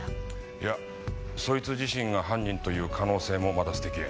いやそいつ自身が犯人という可能性もまだ捨て切れ